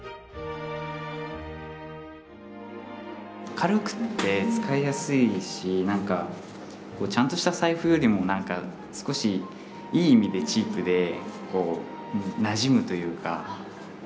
軽くって使いやすいし何かちゃんとした財布よりも何か少しいい意味でチープでなじむというか。